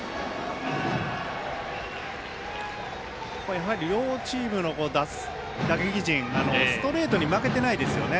やはり両チームの打撃陣ストレートに負けてないですよね。